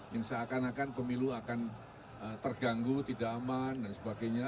yang seakan akan pemilu akan terganggu tidak aman dan sebagainya